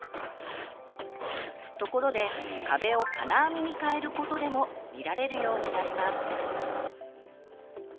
ところで壁を金網に変えることでも見られるようになります。